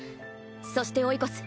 そして追い越す。